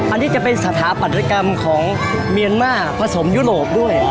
อันนี้จะเป็นสถาปัตยกรรมของเมียนมาผสมยุโรปด้วย